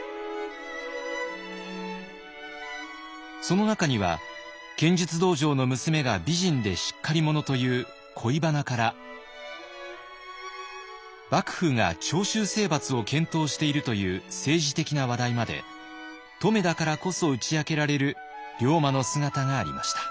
その中には剣術道場の娘が美人でしっかり者という恋バナから幕府が長州征伐を検討しているという政治的な話題まで乙女だからこそ打ち明けられる龍馬の姿がありました。